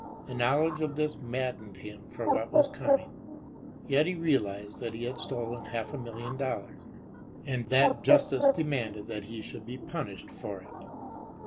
The knowledge of this maddened him for what was coming. Yet he realized that he had stolen half a million dollars, and that justice demanded that he should be punished for it.